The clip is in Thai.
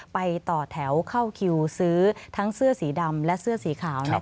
ไปต่อแถวเข้าคิวซื้อทั้งเสื้อสีดำและเสื้อสีขาว